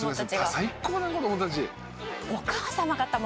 最高だね子供たち。